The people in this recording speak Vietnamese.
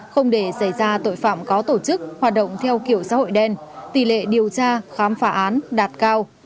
không để xảy ra tội phạm có tổ chức hoạt động theo kiểu xã hội đen tỷ lệ điều tra khám phá án đạt cao